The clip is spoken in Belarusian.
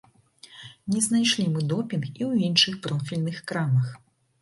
Не знайшлі мы допінг і ў іншых профільных крамах.